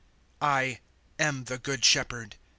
010:014 "I am the Good Shepherd.